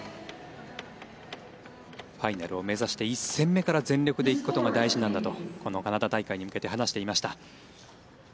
ファイナルを目指して１戦目から全力で行くことが大事なんだとこのカナダ大会に向けて話していました。